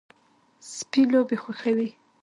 سپي لوبې خوښوي.